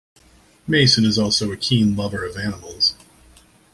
Manson is also a keen lover of animals.